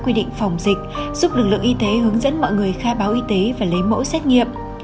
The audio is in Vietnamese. quy định phòng dịch giúp lực lượng y tế hướng dẫn mọi người khai báo y tế và lấy mẫu xét nghiệm